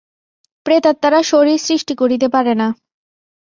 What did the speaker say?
প্রেতাত্মারা শরীর সৃষ্টি করিতে পারে না।